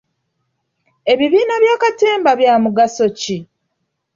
Ebibiina bya katemba bya mugaso ki?